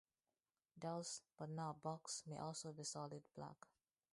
Does, but not bucks, may also be solid black.